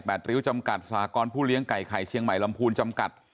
ริ้วจำกัดสหกรผู้เลี้ยงไก่ไข่เชียงใหม่ลำพูนจำกัด